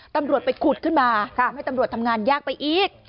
ตำรวจไปขุดขึ้นมาทำให้ตำรวจทำงานยากไปอีก